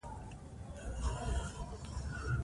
د کابل سیند د افغانانو د تفریح یوه وسیله ده.